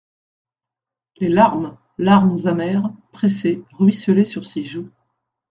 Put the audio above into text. Les larmes, larmes amères, pressées, ruisselaient sur ses joues.